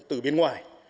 từ bên ngoài